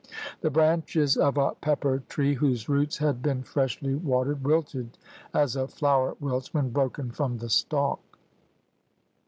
The branches of a pepper tree whose roots had been freshly watered wilted as a flower wilts when broken from the stalk.